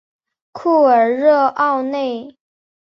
库尔热奥内。